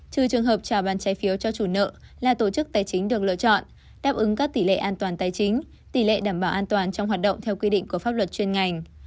trừ trường hợp trả bàn trái phiếu cho chủ nợ là tổ chức tài chính được lựa chọn đáp ứng các tỷ lệ an toàn tài chính tỷ lệ đảm bảo an toàn trong hoạt động theo quy định của pháp luật chuyên ngành